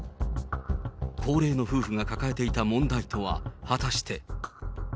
高齢の夫婦が抱えていた問題とは、果たして。